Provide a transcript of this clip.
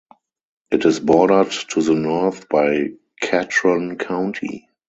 It is bordered to the north by Catron County.